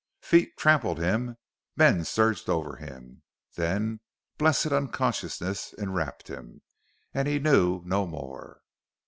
Feet trampled him; men surged over him; then blessed unconsciousness en wrapped him, and he knew no more.